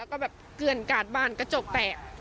แล้วก็เกือดกากบานกระจกแตะ